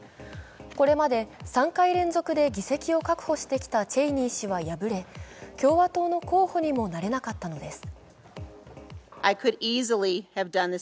これまで３回連続で議席を確保してきたチェイニー氏は敗れ、共和党の候補にもなれなかったのです。